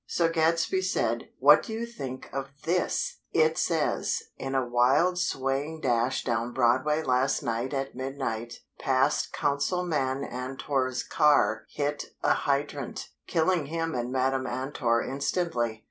So Gadsby said: "What do you think of this? It says: 'In a wild swaying dash down Broadway last night at midnight, past Councilman Antor's car hit a hydrant, killing him and Madam Antor instantly.